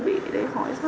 không không khó chịu lắm